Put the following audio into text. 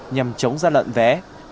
nhằm chống ra lận vé